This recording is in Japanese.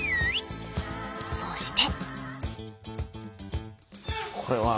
そして！